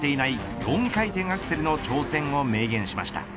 ４回転アクセルの挑戦を明言しました。